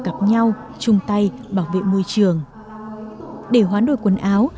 gặp nhau chung tay bảo vệ môi trường để hoán đổi quần áo